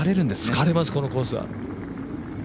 疲れます、このコースは。